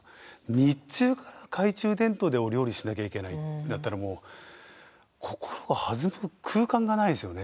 日中から懐中電灯でお料理しなきゃいけないってなったら心が弾む空間がないですよね